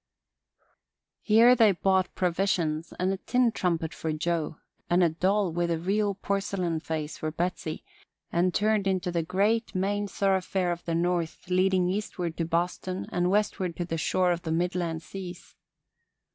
Here they bought provisions and a tin trumpet for Joe, and a doll with a real porcelain face for Betsey, and turned into the great main thoroughfare of the north leading eastward to Boston and westward to a shore of the midland seas.